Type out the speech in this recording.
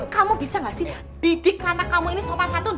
kamu bisa gak sih didik anak kamu ini sopasatun